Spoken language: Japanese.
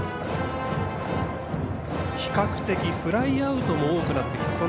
比較的フライアウトも多くなってきた。